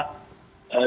yang jelas adalah